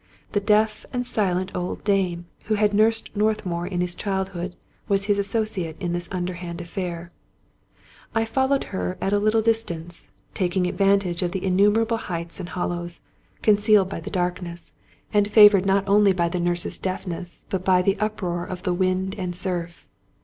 The deaf and silent old dame, who had nursed Northmour in his childhood, was his associate in this underhand affair. I followed her at a little distance, taking advantage of the innumerable heights and hollows, concealed by the darkness, 162 Robert Louis Stevenson and favored not only by the nurse's deafness, but by the uproar of the wind and surf.